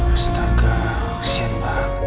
astaga kesian banget